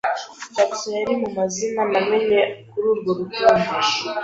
Jackson yari rimwe mu mazina namenye kuri urwo rutonde.